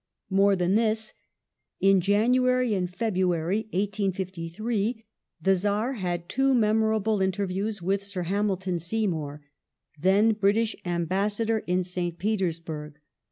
More than this. In January and February, 1853, the Czar had two memorable interviews with Sir Hamilton Seymour, then British Ambassador in St Petersburg.